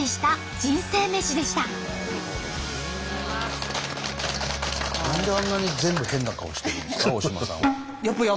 何であんなに全部変な顔してるんですか？